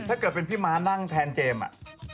ถ้าเกิดเป็นพี่ม้านั่งแทนเจมส์อ่ะ